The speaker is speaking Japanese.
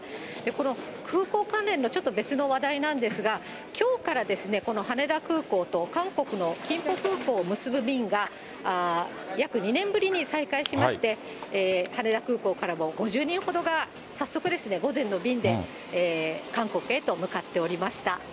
この空港関連のちょっと別の話題なんですが、きょうからこの羽田空港と韓国の金浦空港を結ぶ便が、約２年ぶりに再開しまして、羽田空港からも５０人ほどが早速ですね、午前の便で韓国へと向かっておりました。